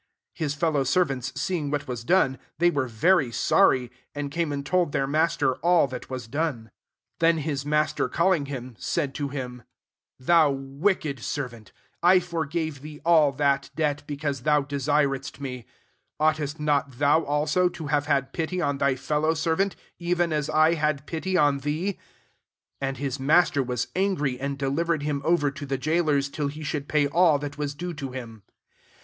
31 His fellow servants seeing what was done, they were very sorry ; and came and told their master all that was done. 32 *• Then his master calling; him, said to him, ^ Thou wick* t About Hum goinen^ CunpbeQ. MATTHEW XIX. 53 ed serraAt ! I forgave thee i^ that debt, because tbou desir ed^ me. 33 Oughtest not thou also, to have had pitf on thy iellow seryanti even as I had pity on thee ?' S4 And his mas ter was angry, and delivered him over to the jailors, till he should pay all that was due to him.